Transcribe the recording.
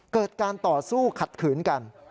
เกิดการต่อสู้ขัดขืนกัน